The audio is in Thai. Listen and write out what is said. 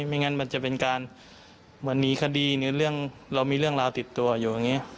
ไม่งั้นมันจะเป็นการวันนี้คดีเรามีเรื่องราวติดตัวอยู่อย่างนี้